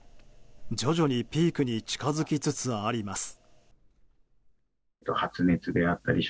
徐々にピークに近づきつつあります。